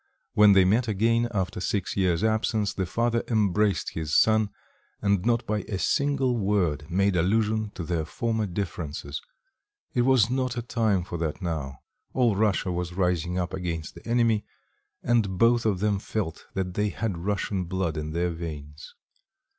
When they met again, after six years' absence, the father embraced his son, and not by a single word made allusion to their former differences; it was not a time for that now, all Russia was rising up against the enemy, and both of them felt that they had Russian blood in their veins.